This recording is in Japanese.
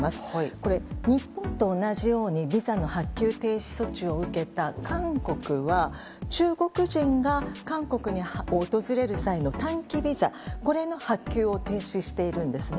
これ、日本と同じようにビザの発給停止措置を受けた韓国は中国人が韓国を訪れる際の短期ビザ、これの発給を停止しているんですね。